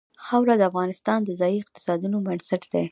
خاوره د افغانستان د ځایي اقتصادونو بنسټ دی.